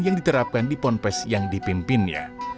yang diterapkan di pondok pesantren yang dipimpinnya